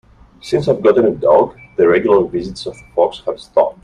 Since I've gotten a dog, the regular visits of the fox have stopped.